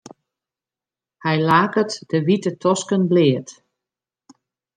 Hy laket de wite tosken bleat.